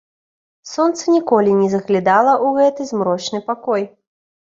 Сонца ніколі не заглядала ў гэты змрочны пакой.